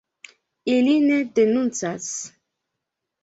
Ili ne denuncas.